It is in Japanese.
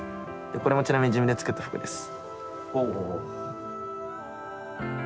これもちなみに自分で作った服です。